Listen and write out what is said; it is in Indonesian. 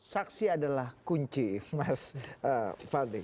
saksi adalah kunci mas fadli